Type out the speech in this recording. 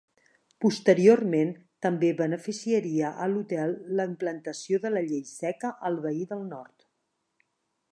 Posteriorment també beneficiaria a l'hotel la implantació de la Llei Seca al veí del Nord.